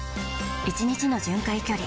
１日の巡回距離